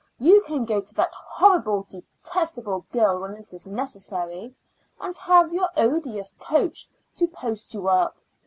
You can go to that horrible, detestable girl when it is necessary, and have your odious coach to post you up.